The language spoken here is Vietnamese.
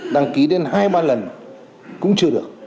đăng ký đến hai ba lần cũng chưa được